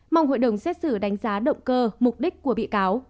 mong hội đồng xét xử đánh giá động cơ mục đích của bị cáo